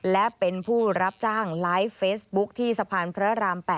และเป็นผู้รับจ้างไลฟ์เฟซบุ๊คที่สะพานพระราม๘